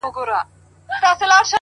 په شپه کي هم وي سوگيرې هغه چي بيا ياديږي